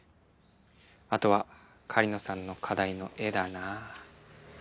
あとは狩野さんの課題の絵だなあ。